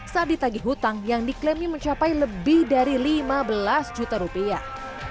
saat ditagi hutang yang diklaimnya mencapai lebih dari lima belas juta rupiah